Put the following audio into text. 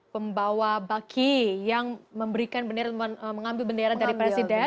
pembawa baki yang memberikan bendera mengambil bendera dari presiden